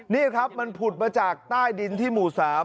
นี่ครับมันผุดมาจากใต้ดินที่หมู่๓